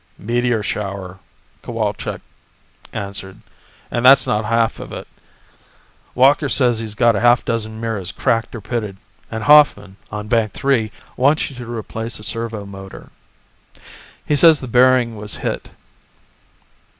"Meteor shower," Cowalczk answered, "and that's not half of it. Walker says he's got a half dozen mirrors cracked or pitted, and Hoffman on bank three wants you to replace a servo motor. He says the bearing was hit."